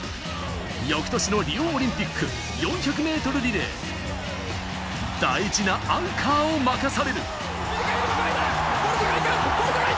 翌年のリオオリンピック４００ｍリレー、大事なアンカーを任される。